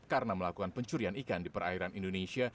karena melakukan pencurian ikan di perairan indonesia